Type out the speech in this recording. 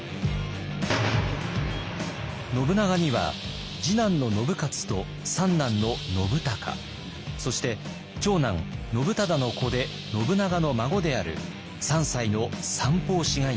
信長には次男の信雄と三男の信孝そして長男信忠の子で信長の孫である３歳の三法師がいました。